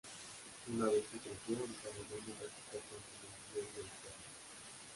Una vez que creció, desarrolló una reputación como el Dj de la cuadra.